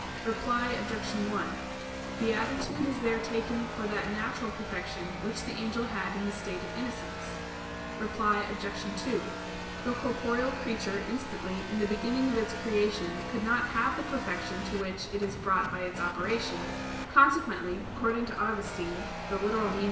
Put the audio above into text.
Reply Obj. 1: Beatitude is there taken for that natural perfection which the angel had in the state of innocence. Reply Obj. 2: The corporeal creature instantly in the beginning of its creation could not have the perfection to which it is brought by its operation; consequently, according to Augustine (Gen. ad.